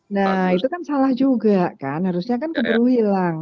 nah itu kan salah juga kan harusnya kan keburu hilang